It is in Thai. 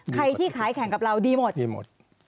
ใครที่ขายแข่งกับเราดีหมด